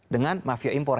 dengan mafia impor